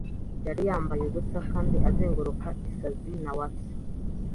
Yari yambaye ubusa kandi azenguruka isazi na wasp